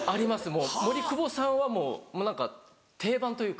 もう森久保さんはもう何か定番というか。